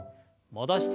戻して。